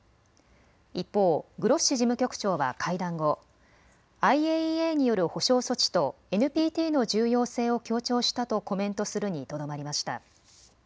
一方、グロッシ事務局長は会談後、ＩＡＥＡによる保障措置とＮＰＴの重要性を強調したとコメントするにとどまりました。